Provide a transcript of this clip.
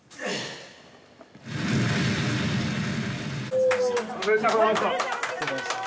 お疲れさまでした！